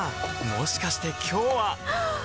もしかして今日ははっ！